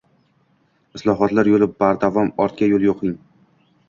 Islohotlar yo‘li bardavom, ortga yo‘l yo‘q!ng